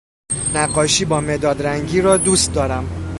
نقاشی با مداد رنگی را دوست دارم